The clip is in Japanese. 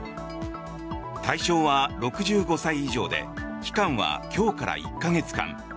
対象は６５歳以上で期間は今日から１か月間。